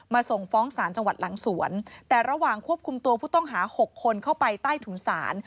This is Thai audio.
ส่งฟ้องศาลจังหวัดหลังสวนแต่ระหว่างควบคุมตัวผู้ต้องหา๖คนเข้าไปใต้ถุนศาล